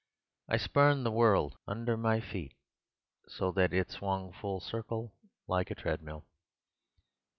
I spurned the world under my feet so that it swung full circle like a treadmill.